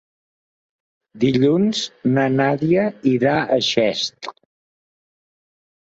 Dilluns na Nàdia irà a Xest.